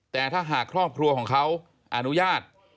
แต่ถ้าหากครอบครัวของเขาอนุญาต